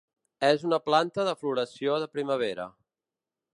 És una planta de floració de primavera.